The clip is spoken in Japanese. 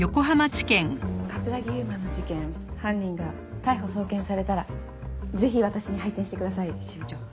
城悠真の事件犯人が逮捕送検されたらぜひ私に配点してください支部長。